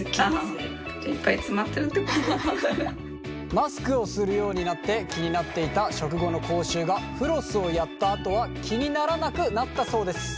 マスクをするようになって気になっていた食後の口臭がフロスをやったあとは気にならなくなったそうです。